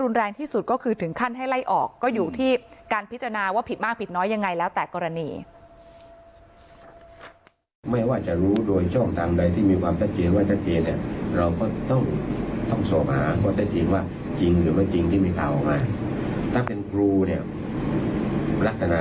มาว่าจริงหรือไม่จริงที่มีเขามาถ้าเป็นครูเนี่ยลักษณะ